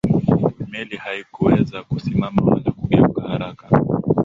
meli haikuweza kusimama wala kugeuka haraka